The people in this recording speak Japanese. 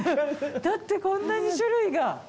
だってこんなに種類が。